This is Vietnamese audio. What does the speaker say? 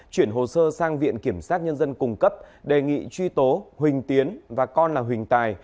chuyển hồ sơ sang viện kiểm sát nhân dân cung cấp đề nghị truy tố huỳnh tiến và con là huỳnh tài